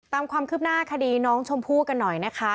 ตามความคืบหน้าคดีน้องชมพู่กันหน่อยนะคะ